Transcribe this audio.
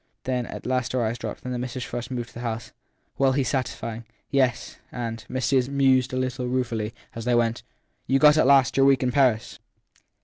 Then at last her eyes again dropped, and the Misses Frush moved together to the house. Well, he s satisfied. Yes, and Miss Susan mused a little ruefully as they went you got at last your week in Paris